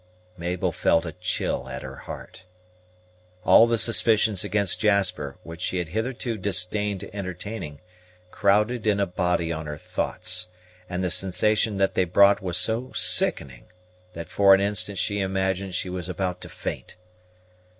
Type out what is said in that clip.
Mabel felt a chill at her heart. All the suspicions against Jasper, which she had hitherto disdained entertaining, crowded in a body on her thoughts; and the sensation that they brought was so sickening, that for an instant she imagined she was about to faint.